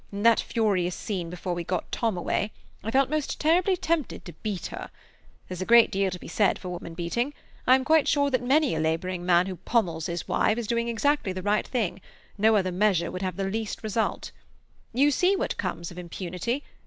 In that furious scene before we got Tom away I felt most terribly tempted to beat her. There's a great deal to be said for woman beating. I am quite sure that many a labouring man who pommels his wife is doing exactly the right thing; no other measure would have the least result. You see what comes of impunity.